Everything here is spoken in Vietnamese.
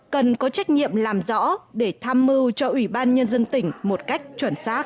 cần có trách nhiệm làm rõ để tham mưu cho ủy ban nhân dân tỉnh một cách chuẩn xác